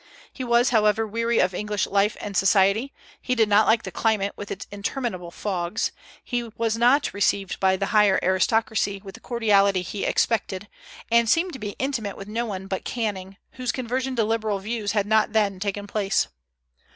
He was, however, weary of English life and society; he did not like the climate with its interminable fogs; he was not received by the higher aristocracy with the cordiality he expected, and seemed to be intimate with no one but Canning, whose conversion to liberal views had not then taken place.